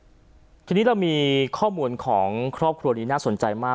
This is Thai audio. คุณพี่มาฟฟรานเรามีข้อมัวของครอบครัวนี้น่าสนใจมาก